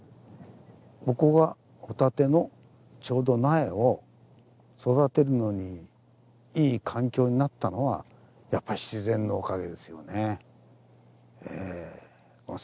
ここがホタテのちょうど苗を育てるのにいい環境になったのはやっぱり自然のおかげですよね。